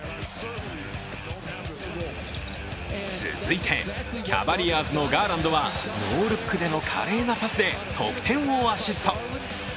続いて、キャバリアーズのガーランドはノールックでの華麗なパスで得点をアシスト。